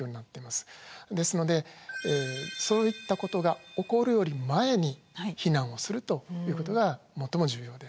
ですのでそういったことが起こるより前に避難をするということが最も重要で。